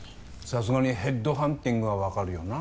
さすがにヘッドハンティングは分かるよな？